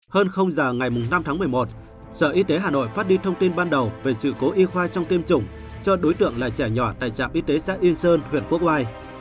hơn giờ ngày năm tháng một mươi một sở y tế hà nội phát đi thông tin ban đầu về sự cố y khoa trong tiêm chủng cho đối tượng là trẻ nhỏ tại trạm y tế xã yên sơn huyện quốc oai